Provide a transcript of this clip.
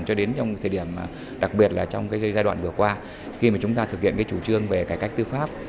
cho đến thời điểm đặc biệt là trong giai đoạn vừa qua khi chúng ta thực hiện chủ trương về cải cách tư pháp